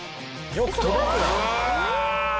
よく届くな。